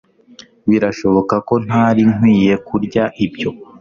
Birashoboka ko ntari nkwiye kurya ibyo